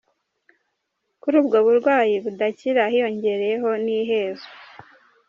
Kuri ubwo burwayi budakira hiyongeraho n’ihezwa.